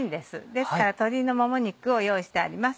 ですから鶏のもも肉を用意してあります。